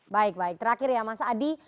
baik baik terakhir ya mas adi